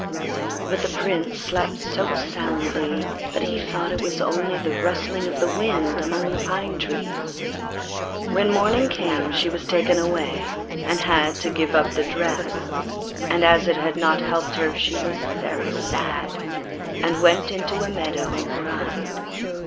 But the Prince slept so soundly that he thought it was only the rustling of the wind among the pine trees. When morning came she was taken away, and had to give up the dress; and as it had not helped her she was very sad, and went out into a meadow and cried.